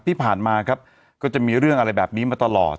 ที่ผ่านมาครับก็จะมีเรื่องอะไรแบบนี้มาตลอด